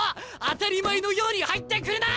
当たり前のように入ってくるな！